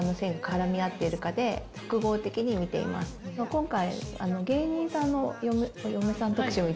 今回。